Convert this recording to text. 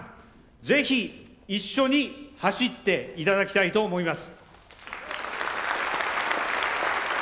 ぜひ、一緒に走っていただきたいと思います。